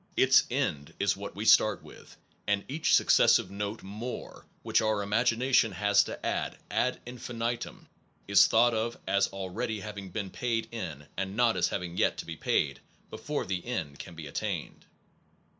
Its end is what we start with; and each succes sive note more which our imagination has to add, ad infinitum, is thought of as already hav ing been paid in and not as having yet to be paid before the end can be attained.